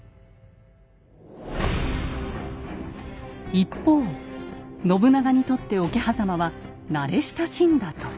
一方信長にとって桶狭間は慣れ親しんだ土地。